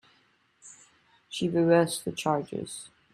She reversed the charges.